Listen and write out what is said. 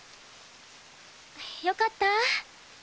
よかった。